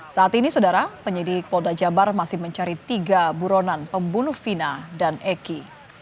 saat ini saudara penyidik polda jabar masih mencari tiga buronan pembunuh vina dan eki